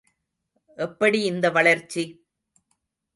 எப்படி இந்த வளர்ச்சி?